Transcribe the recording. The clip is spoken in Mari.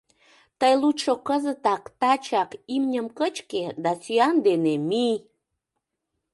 Тый лучо кызытак, тачак, имньым кычке да сӱан дене мий!